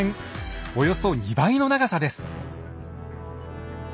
およそ２倍の長さです。